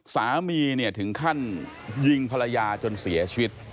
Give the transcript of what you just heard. สามีเนี่ยถึงขั้นยิงภรรยาจนเสียชีวิต